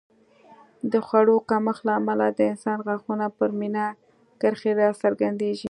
د خوړو کمښت له امله د انسان غاښونو پر مینا کرښې راڅرګندېږي